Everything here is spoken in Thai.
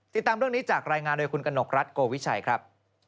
ติดตามเรื่องนี้จากรายงานโดยคุณกนกรัฐโกวิชัยครับ